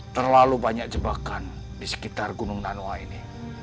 terlalu banyak jebakan di sekitar gunung nanoa ini